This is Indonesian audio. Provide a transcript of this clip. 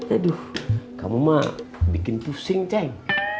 aduh kamu mah bikin pusing ceng